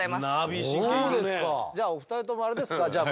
じゃあお二人ともあれですかじゃあ